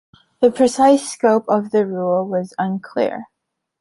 The precise scope of the rule was unclear.